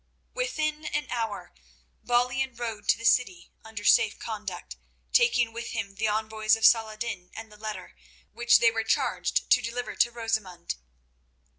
Within an hour Balian rode to the city under safe conduct, taking with him the envoys of Saladin and the letter, which they were charged to deliver to Rosamund.